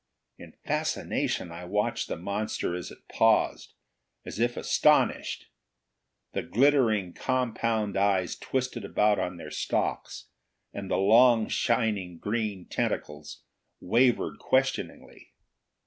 In fascination I watched the monster as it paused as if astonished. The glittering compound eyes twisted about on their stalks, and the long shining green tentacles wavered questioningly.